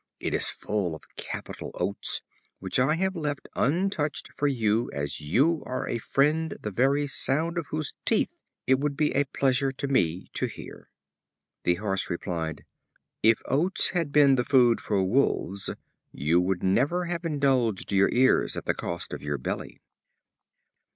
It is full of capital oats, which I have left untouched for you, as you are a friend the very sound of whose teeth it will be a pleasure to me to hear." The Horse replied: "If oats had been the food for wolves, you would never have indulged your ears at the cost of your belly."